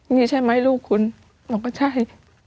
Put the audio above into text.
นี่ใช่ไหมลูกคุณมันก็ใช่